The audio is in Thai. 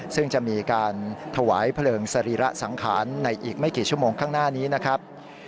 ซึ่งจะมีการถวายเพลิงสรีระสังขารในอีกไม่กี่ชั่วโมงข้างหน้านี้นะครับ